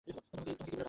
তোমাকে কী বলে ডাকবো?